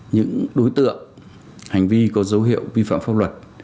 những đối tượng hành vi có dấu hiệu vi phạm pháp luật